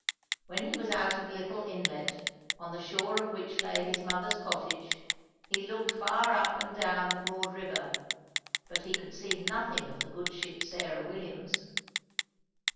When he was out of the little inlet, on the shore of which lay his mother's cottage, he looked far up and down the broad river, but he could see nothing of the good ship Sarah Williams.